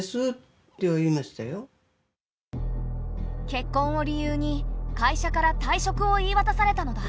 結婚を理由に会社から退職を言いわたされたのだ。